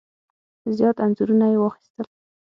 زیات انځورونه یې واخیستل.